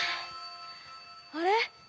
あれ？